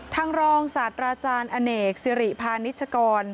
ทางรองศาสตราจารย์อเนกสิริพาณิชกร